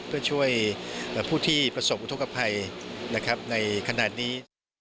เพื่อช่วยผู้ที่ประสบอุทธกภัยในขณะนี้